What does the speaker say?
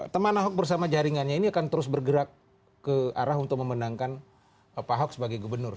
teman ahok bersama jaringannya ini akan terus bergerak ke arah untuk memenangkan pak ahok sebagai gubernur